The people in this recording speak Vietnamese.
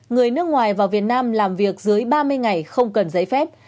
người nước ngoài vào việt nam làm việc dưới ba mươi ngày không cần giấy phép